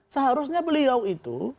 seharusnya beliau itu